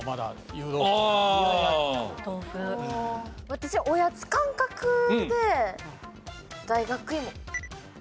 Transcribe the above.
私おやつ感覚で大学芋。